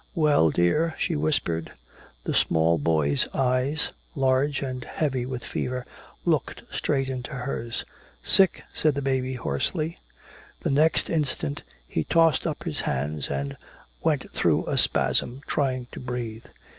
"Well, dear?" she whispered. The small boy's eyes, large and heavy with fever, looked straight into hers. "Sick," said the baby hoarsely. The next instant he tossed up his hands and went through a spasm, trying to breathe.